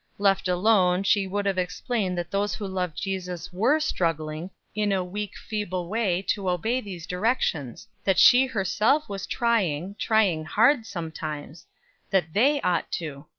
Left alone, she would have explained that those who loved Jesus were struggling, in a weak feeble way, to obey these directions; that she herself was trying, trying hard sometimes; that they ought to.